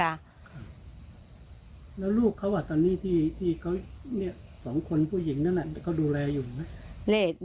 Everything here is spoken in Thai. แล้วลูกเขาอะตอนนี้ของผู้หญิงทั้งนี้เขาดูแลอยู่ไหม